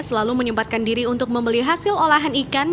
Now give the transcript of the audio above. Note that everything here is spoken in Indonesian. selalu menyempatkan diri untuk membeli hasil olahan ikan